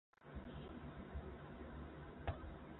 孙氏家庙的历史年代为清代。